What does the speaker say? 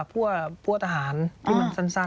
สวัสดีค่ะที่จอมฝันครับ